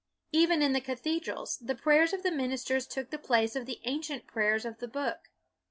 Even in the cathedrals, the prayers of the ministers took the place of the ancient prayers of the book.